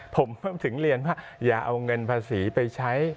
ผมถึงเรียนว่าอย่าเอาเงินภาษีไปใช้